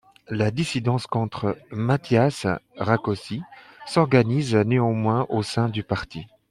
La dissidence contre Mátyás Rákosi s'organise néanmoins au sein du parti.